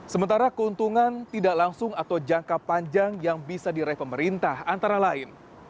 sementara keuntungan tidak langsung atau jangka panjang yang bisa diraih pemerintah antara lain